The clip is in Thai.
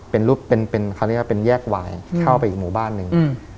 เป็นแยกวายเข้าไปอีกหมู่บ้านหนึ่ง